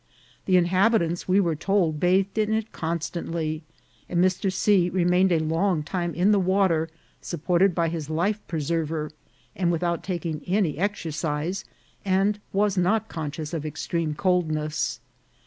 The inhabitants, we were told, bathed in it constantly ; and Mr. C. remained a long time in the water, supported by his life preserver, and without taking any exercise, and was not conscious of extreme coldness.